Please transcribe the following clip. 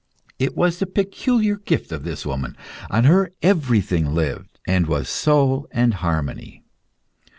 It was the peculiar gift of this woman; on her everything lived, and was soul and harmony.